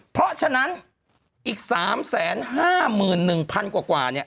เพราะฉะนั้นอีก๓๕๑๙๔๘กว่า